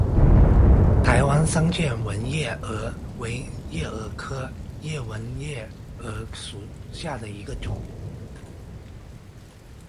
台湾桑剑纹夜蛾为夜蛾科剑纹夜蛾属下的一个种。